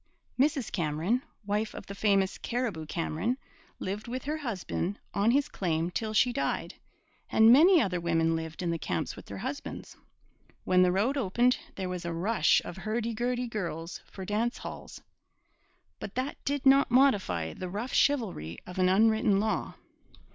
Mrs Cameron, wife of the famous Cariboo Cameron, lived with her husband on his claim till she died, and many other women lived in the camps with their husbands. When the road opened, there was a rush of hurdy gurdy girls for dance halls; but that did not modify the rough chivalry of an unwritten law.